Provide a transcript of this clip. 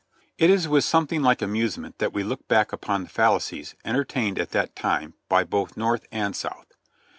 It is with something Hke amusement that we look back upon the fallacies entertained at that time by both North and South.